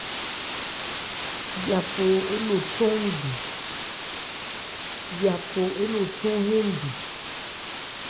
Yípɔ ole thɔ́n hɛ́ndu.